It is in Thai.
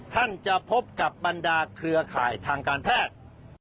ท่านจะพบกับบรรดาเครือข่ายทางการแพทย์